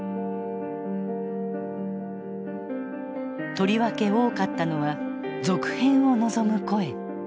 とりわけ多かったのは続編を望む声。